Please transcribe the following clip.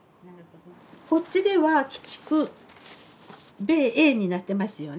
こっちでは「鬼畜米英」になってますよね。